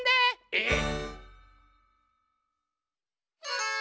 えっ！